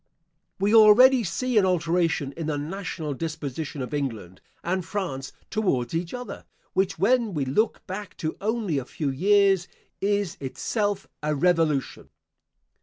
We already see an alteration in the national disposition of England and France towards each other, which, when we look back to only a few years, is itself a Revolution.